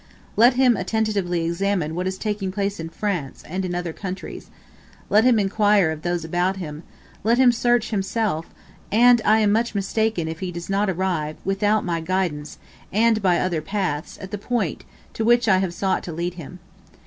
Let him attentively examine what is taking place in France and in other countries let him inquire of those about him let him search himself, and I am much mistaken if he does not arrive, without my guidance, and by other paths, at the point to which I have sought to lead him.